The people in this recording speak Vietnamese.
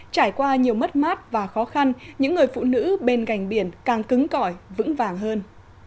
trải qua nhiều mất mát và khó khăn những người phụ nữ bên gành biển càng cứng cõi vững vàng hơn